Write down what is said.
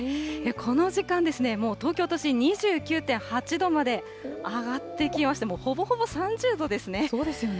この時間、もう東京都心２９．８度まで上がってきまして、もうほぼほぼ３０度ですね。